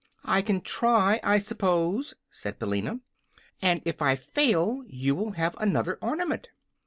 "I can try, I suppose," said Billina. "And, if I fail, you will have another ornament."